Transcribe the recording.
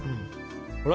ほら！